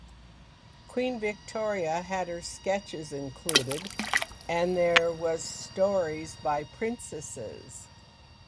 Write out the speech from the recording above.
Queen Victoria had her sketches included and there was stories by princesses.